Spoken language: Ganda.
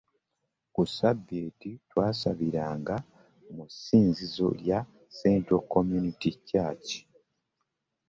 Ku Sabbiiti twasabiranga mu ssinzizo lya Seattle Community Church.